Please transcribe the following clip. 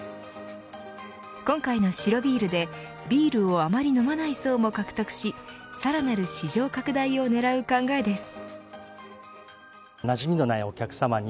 今回の白ビールでビールをあまり飲まない層も獲得しさらなる市場拡大を狙う考えです。